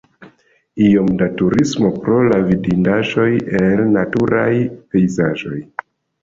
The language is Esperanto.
Iom da turismo pro la vidindaĵoj el naturaj pejzaĝoj.